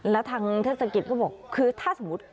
แล้วทางเทศกิจก็บอกคือถ้าสมมุติ